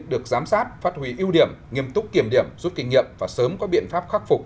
được giám sát phát huy ưu điểm nghiêm túc kiểm điểm rút kinh nghiệm và sớm có biện pháp khắc phục